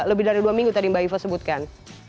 lebih dari dua minggu tadi mbak iva sebutkan